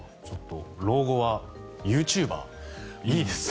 老後はユーチューバーいいですね。